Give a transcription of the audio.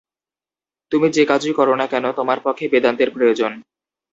তুমি যে-কাজই কর না কেন, তোমার পক্ষে বেদান্তের প্রয়োজন।